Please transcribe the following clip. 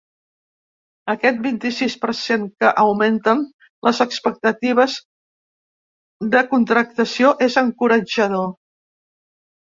Aquest vint-i-sis per cent que augmenten les expectatives de contractació és encoratjador.